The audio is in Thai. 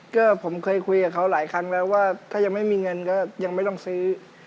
ก็ผมเคยคุยกับเขาหลายครั้งแล้วว่าถ้ายังไม่มีเงินก็ยังไม่ต้องซื้อ